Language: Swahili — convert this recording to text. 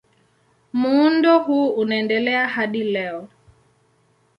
Muundo huu unaendelea hadi leo.